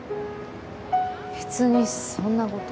べつにそんなこと。